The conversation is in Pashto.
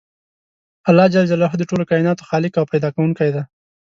الله ج د ټولو کایناتو خالق او پیدا کوونکی دی .